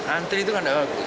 antri itu kan tidak bagus